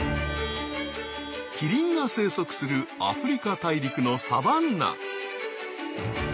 キリンが生息するアフリカ大陸のサバンナ。